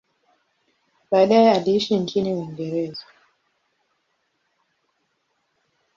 Baadaye aliishi nchini Uingereza.